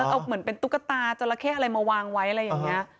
เอาเหมือนเป็นตุ๊กตาจราเข้อะไรมาวางไว้อะไรอย่างนี้